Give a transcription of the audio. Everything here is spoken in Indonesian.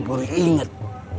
ha gua baru inget